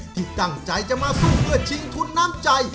ที่ตั้งใจจะมาสู้เพื่อชิงทุนน้ำใจ